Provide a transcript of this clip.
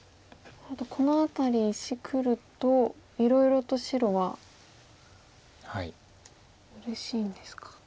この辺り石くるといろいろと白はうれしいんですか。